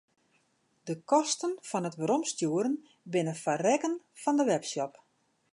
De kosten fan it weromstjoeren binne foar rekken fan de webshop.